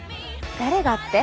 誰がって？